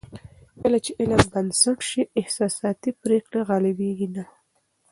کله چې علم بنسټ شي، احساساتي پرېکړې غالبېږي نه.